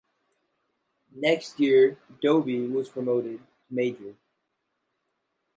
Next year Dobie was promoted to Major.